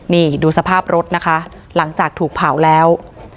นี่ดูสภาพรถนะคะหลังจากถูกเผาแล้ว